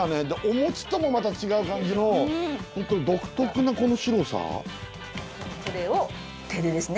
お餅ともまた違う感じの独特なこの白さ。